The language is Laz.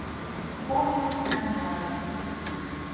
Mp̌oli mendra ren.